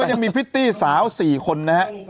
แล้วก็ยังมีพิตตี้สาว๔คนนะครับ